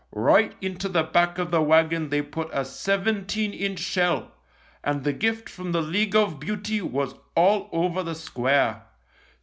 Right into the back of the wagon they put a seventeen inch shell, and the gift from the League of Beauty was all over the square.